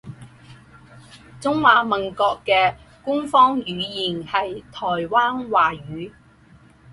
中华民国的官方语言是台湾华语。